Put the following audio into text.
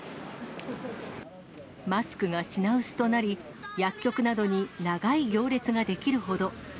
マスクが品薄となり、薬局などに長い行列が出来るほど。